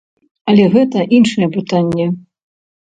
Але гэта іншае пытанне.